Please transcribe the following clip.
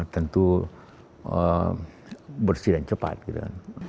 tentu bersih dan cepat gitu